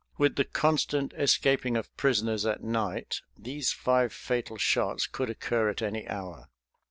With the constant escaping of prisoners at night these five fatal shots could occur at any hour.